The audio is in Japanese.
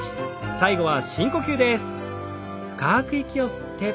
最後は深呼吸です。